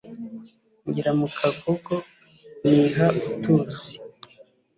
Ngera mu Kagogo niha utuzi